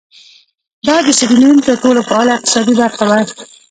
دا د سیریلیون تر ټولو فعاله اقتصادي برخه وه.